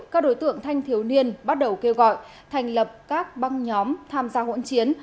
các đối tượng thanh thiếu niên bắt đầu kêu gọi thành lập các băng nhóm tham gia hỗn chiến